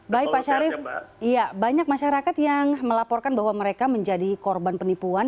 baik pak syarif banyak masyarakat yang melaporkan bahwa mereka menjadi korban penipuan